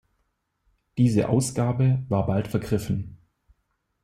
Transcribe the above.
Diese Ausgabe war bald vergriffen.